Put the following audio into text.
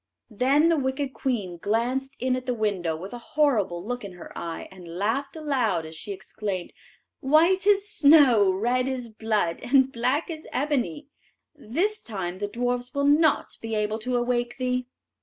Then the wicked queen glanced in at the window with a horrible look in her eye, and laughed aloud as she exclaimed: "White as snow, red as blood, and black as ebony; this time the dwarfs will not be able to awake thee."